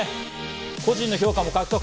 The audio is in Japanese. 個人の評価も獲得。